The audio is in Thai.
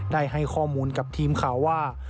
ได้ให้ข้อมูลกับทีมข่าวว่า